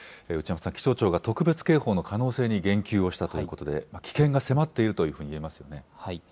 気象庁が特別警報の可能性に言及をしたということで危険が迫っていると言えますね。